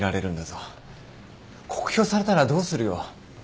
酷評されたらどうするよ。